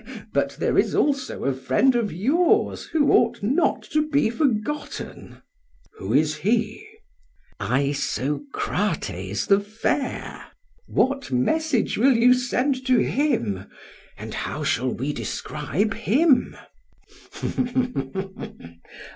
PHAEDRUS: But there is also a friend of yours who ought not to be forgotten. SOCRATES: Who is he? PHAEDRUS: Isocrates the fair: What message will you send to him, and how shall we describe him?